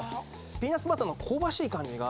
ピーナツバターの香ばしい感じが。